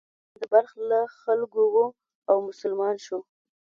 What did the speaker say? سامان د بلخ له خلکو و او مسلمان شو.